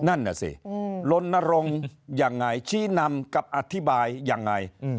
นั่นสิโรนโรงอย่างไรชี้นำกับอธิบายอย่างไร